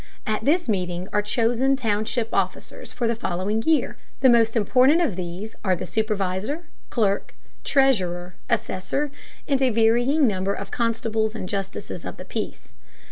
At this meeting are chosen township officers for the following year. The most important of these are the supervisor, clerk, treasurer, assessor, and a varying number of constables and justices of the peace.